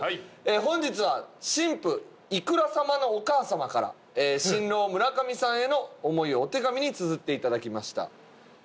本日は新婦いくら様のお母様から新郎村上さんへの思いをお手紙につづっていただきました。